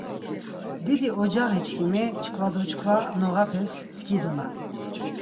Didi ocağiçkimi çkva do çkva noğapes skidunan.